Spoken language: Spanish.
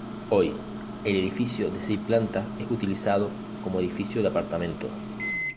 Hoy, el edificio de seis plantas es utilizado como edificio de apartamentos.